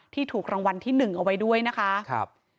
ที่ถูกรางวัลที่หนึ่งเอาไว้ด้วยนะคะ